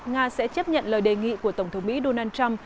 nga sẽ chấp nhận lời đề nghị của tổng thống mỹ donald trump